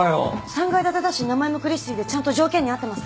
３階建てだし名前もクリスティでちゃんと条件に合ってます。